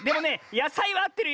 やさいはあってるよ。